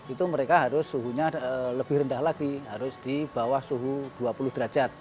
itu mereka harus suhunya lebih rendah lagi harus di bawah suhu dua puluh derajat